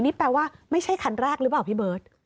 นี่แปลว่าไม่ใช่คันแรกหรือเปล่าพี่เบิร์ต